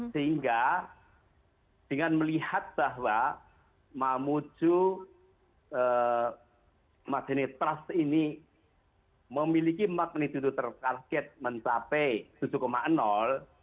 sehingga dengan melihat bahwa mahamudud maseni trust ini memiliki magnitude terkarket mencapai tujuh